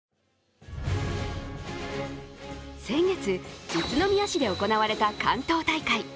先月、宇都宮市で行われた関東大会。